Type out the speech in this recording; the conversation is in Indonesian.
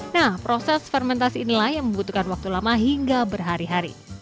nah proses fermentasi inilah yang membutuhkan waktu lama hingga berhari hari